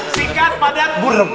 singkat padat buruk